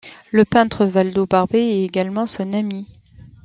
Le peintre Valdo Barbey est également son ami.